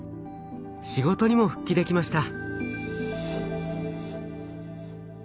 仕事にも復帰できました。